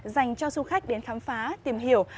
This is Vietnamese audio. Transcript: dành cho du khách đến khám phá tìm hiểu